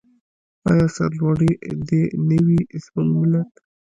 آیا سرلوړی دې نه وي زموږ ملت؟